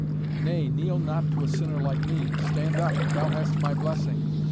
nay, kneel not to a sinner like me stand up thou hast my blessing.